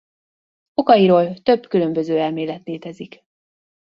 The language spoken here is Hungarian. Okairól több különböző elmélet létezik.